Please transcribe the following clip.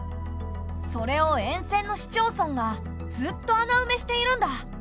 それを沿線の市町村がずっと穴うめしているんだ。